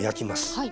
はい。